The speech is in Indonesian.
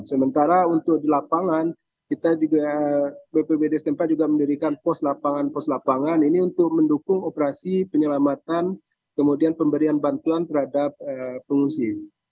sementara untuk di lapangan kita juga bpbd setempat juga mendirikan pos lapangan pos lapangan ini untuk mendukung operasi penyelamatan kemudian pemberian bantuan terhadap pengungsi